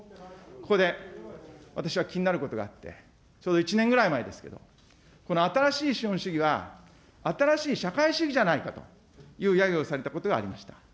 ここで私は気になることがあって、ちょうど１年ぐらい前ですけど、この新しい資本主義は、新しい社会主義じゃないかと、やゆをされたことがありました。